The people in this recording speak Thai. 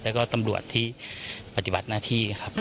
แล้วก็ตำรวจที่ปฏิบัติหน้าที่ครับ